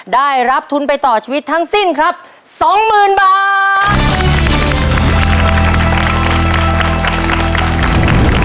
ได้รับทุนไปต่อชีวิตทั้งสิ้นครับ๒๐๐๐บาท